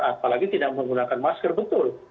apalagi tidak menggunakan masker betul